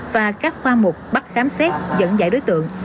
và các khoa mục bắt khám xét dẫn dải đối tượng